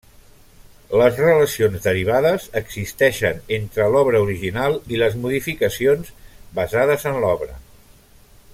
Les relacions derivades existeixen entre l'obra original i les modificacions basades en l'obra.